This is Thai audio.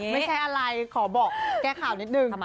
ไม่ใช่อะไรขอบอกแก้ข่าวนิดนึง